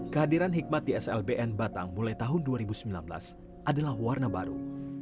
kehadiran hikmat di slbn batang mulai tahun dua ribu sembilan belas adalah warna baru